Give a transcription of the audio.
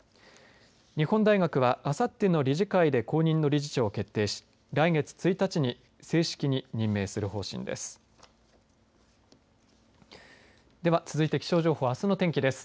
日本大学は、あさっての理事会で後任の理事長を決定し来月１日に正式に任命する方針です。